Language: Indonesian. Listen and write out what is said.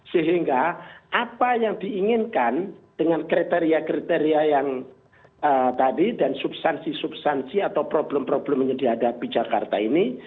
sehingga apa yang diinginkan dengan kriteria kriteria yang tadi dan substansi substansi atau problem problem yang dihadapi jakarta ini